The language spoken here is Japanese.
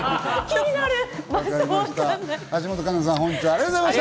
気になる。